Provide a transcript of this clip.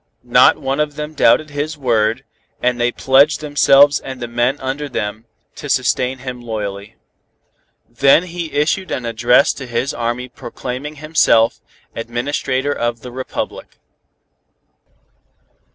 Not one of them doubted his word, and they pledged themselves and the men under them, to sustain him loyally. He then issued an address to his army proclaiming himself _"Administrator of the Republic."